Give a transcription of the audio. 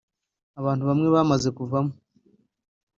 Abantu bamwe bamaze kuvamo